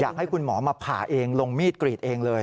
อยากให้คุณหมอมาผ่าเองลงมีดกรีดเองเลย